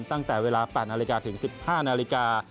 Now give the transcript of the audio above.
ตั้งแต่เวลา๘นาฬิกาถึง๑๕นาฬิกา